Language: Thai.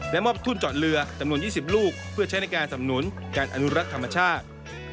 และมอบทุ่นจอดเรือจำนวน๒๐ลูกเพื่อใช้ในการสำนุนการอนุรักษ์ธรรมชาติ